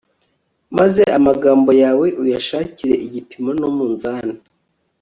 maze amagambo yawe uyashakire igipimo n'umunzani